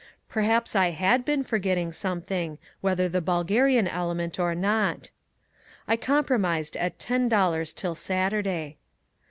Perhaps I had been forgetting something, whether the Bulgarian element or not. I compromised at ten dollars till Saturday.